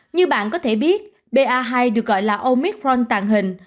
như bạn có thể biết ba hai được gọi là omitront tàn hình